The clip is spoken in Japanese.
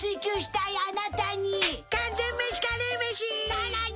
さらに！